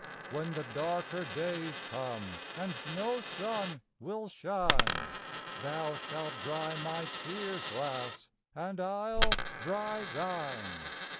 When the darker days come, and no sun will shine, Thou shalt dry my tears, lass, and I 'll dry thine.